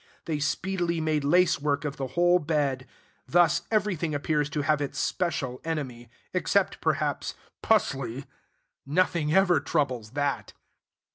They speedily made lace work of the whole bed. Thus everything appears to have its special enemy, except, perhaps, p y: nothing ever troubles that.